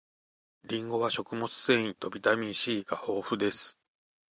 りんごは食物繊維とビタミン C が豊富です